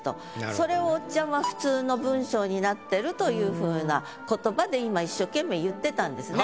それをおっちゃんは普通の文章になってる！というふうな言葉で今一生懸命言ってたんですね。